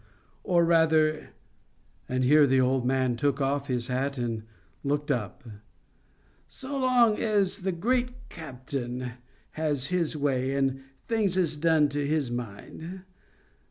or rather," and here the old man took off his hat and looked up, "so long as the Great Captain has His way, and things is done to His mind?